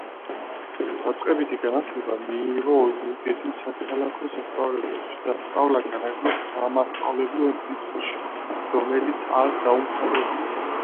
დაწყებითი განათლება მიიღო ოზურგეთის საქალაქო სასწავლებელში და სწავლა განაგრძო სამასწავლებლო ინსტიტუში, რომელიც არ დაუმთავრებია.